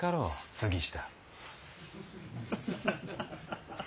杉下。